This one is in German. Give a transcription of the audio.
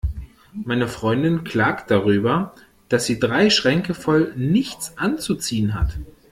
Meine Freundin klagt darüber, dass sie drei Schränke voll nichts anzuziehen hat.